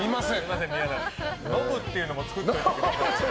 ノブっていうのも作ってあげてください。